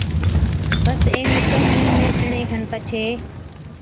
بس اينهُون ڪهِين مهٽڻي کن پڇي،